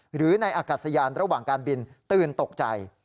หรือในอากาศยานระหว่างการบินตื่นตกใจ